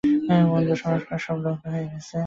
মন্দ সংস্কার সব দগ্ধ হয়ে গেছে।